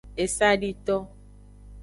Esadito.